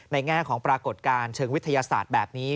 แง่ของปรากฏการณ์เชิงวิทยาศาสตร์แบบนี้